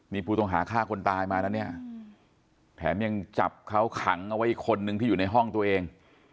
นี่ผู้ต้องหาฆ่าคนตายมานะเนี่ยแถมยังจับเขาขังเอาไว้อีกคนนึงที่อยู่ในห้องตัวเอง